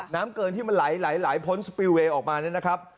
น้ำเกินที่มันไหลพ้นสปิลเวย์ออกมาเนี่ยนะครับ